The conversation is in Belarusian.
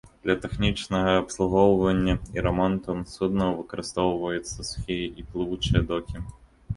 Для тэхнічнага абслугоўвання і рамонту суднаў выкарыстоўваюцца сухія і плывучыя докі.